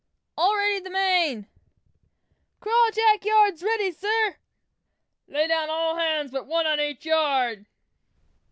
"All ready the main!" "Cross jack yards all ready, sir!" "Lay down, all hands but one on each yard!"